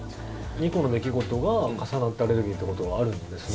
２個の出来事が重なってアレルギーっていうことがそうですね。